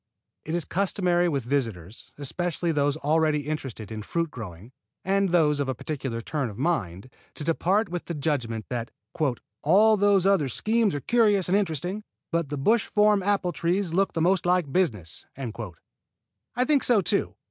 It is customary with visitors, especially those already interested in fruit growing and those of a practical turn of mind, to depart with the judgment that "all those other schemes are curious and interesting, but the bush form apple trees look the most like business." I think so too.